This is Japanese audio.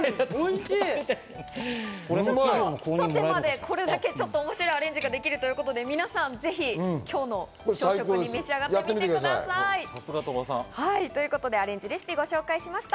これだけ面白いアレンジができるということで、ぜひ皆さん、今日の朝食に召し上がってみてください。ということでアレンジレシピをご紹介しました。